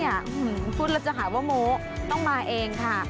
อาจารย์พูดแล้วจะหาว่ามุ้คต้องมาเองค่ะ